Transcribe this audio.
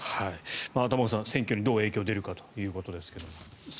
玉川さん選挙にどう影響が出るかということですが。